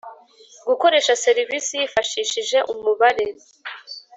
gukoresha serivisi yifashishije umubare